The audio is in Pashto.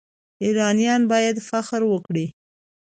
ایرانیان باید فخر وکړي.